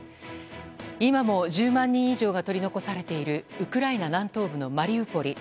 今も１０万人以上が取り残されているウクライナ南東部のマリウポリ。